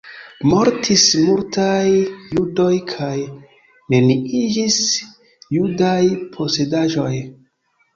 Mortis multaj judoj kaj neniiĝis judaj posedaĵoj.